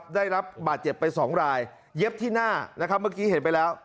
ได้รับบาดเจ็บไป๒รายเย็บที่หน้านะครับเมื่อกี้เห็นไปแล้ว